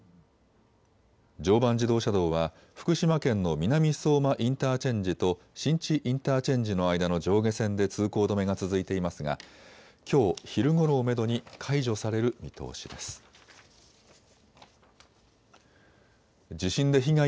常磐自動車道は福島県の南相馬インターチェンジと新地インターチェンジの間の上下線で通行止めが続いていますがきょう昼ごろをめどに解除される見通しです。